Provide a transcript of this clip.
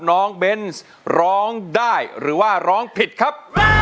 น้องเบนส์ร้องได้หรือว่าร้องผิดครับ